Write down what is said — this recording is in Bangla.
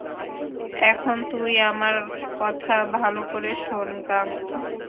এখন তুই আমার কথা ভালো করে শোন, গাঙু।